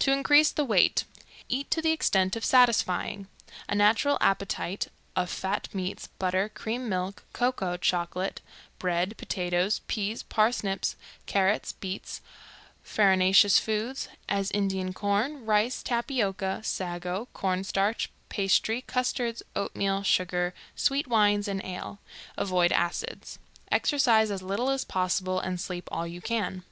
To increase the weight: Eat to the extent of satisfying; a natural appetite, of fat meats, butter, cream, milk, cocoa, chocolate, bread, potatoes, peas, parsnips, carrots, beets, farinaceous foods, as Indian corn, rice, tapioca, sago, corn starch, pastry, custards, oatmeal, sugar, sweet wines, and ale. Avoid acids. Exercise as little as possible, and sleep all you can.